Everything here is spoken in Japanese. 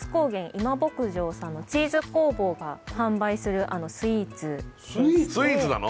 今牧場さんのチーズ工房が販売するスイーツスイーツなの？